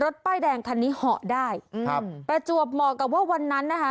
ป้ายแดงคันนี้เหาะได้อืมประจวบเหมาะกับว่าวันนั้นนะคะ